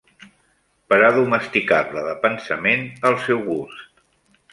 Per a domesticar-la, de pensament, al seu gust.